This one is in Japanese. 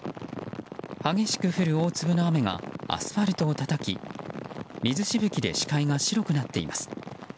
激しく降る大粒の雨がアスファルトをたたき水しぶきで視界が白くなっています。